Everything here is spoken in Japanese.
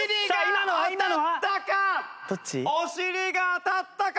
お尻が当たったか？